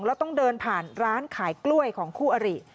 แล้วต้องเดินผ่านร้านขายกล้วยของคู่อริ